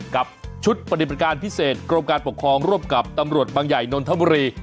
กับชุดปฏิบัติการพิเศษกรมการปกครองร่วมกับตำรวจบางใหญ่นนทบุรี